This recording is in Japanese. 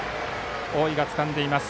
大井がつかんでいます。